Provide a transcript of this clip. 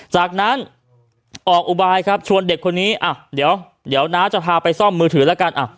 จากนั้นออกอุบายครับชวนเด็กคนนี้เดี๋ยวน้าจะพาไปซ่อมมือถือแล้วกัน